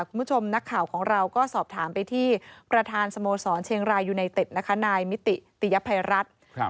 คุณผู้ชมนักข่าวของเราก็สอบถามไปที่ประธานสโมสรเชียงรายยูไนเต็ดนะคะนายมิติติยภัยรัฐครับ